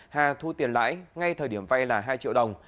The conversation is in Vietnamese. hà thu tiền lãi ngay thời điểm vay là hai triệu đồng